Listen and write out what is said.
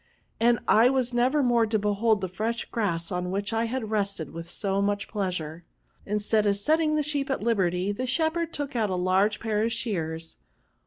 and I was never more to behold the firesh grass on which I had rested with so much pleasure. Instead of setting the sheep at liberty, the shepherd took out a large pair of shears.